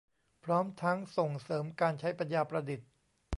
พร้อมทั้งส่งเสริมการใช้ปัญญาประดิษฐ์